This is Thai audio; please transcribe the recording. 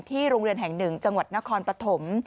ที่โรงเรียนแห่งหนึ่งจังหวัดนครปฐม